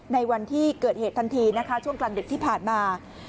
ในวันที่เกิดเหตุทันทีนะคะช่วงกลางดึกที่ผ่านมา